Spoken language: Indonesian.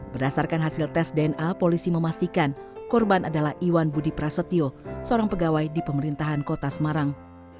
berdasarkan hasil tes dna polisi memastikan korban adalah iwan budi prasetyo seorang pegawai di pemerintahan kota semarang